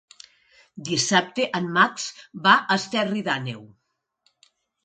Dissabte en Max va a Esterri d'Àneu.